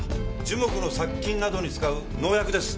樹木の殺菌などに使う農薬です。